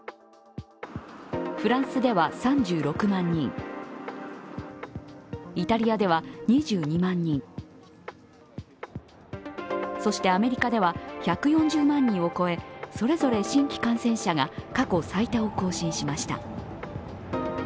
フランスでは３６万人イタリアでは２２万人そしてアメリカでは１４０万人を超えそれぞれ新規感染者が過去最多を更新しました。